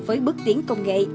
với bước tiến công nghệ